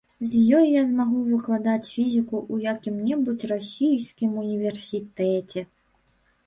З ёй я змагу выкладаць фізіку ў якім-небудзь расійскім універсітэце.